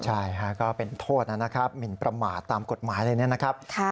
ใช่ค่ะก็เป็นโทษนะครับหมินประมาทตามกฎหมายเลยนะครับ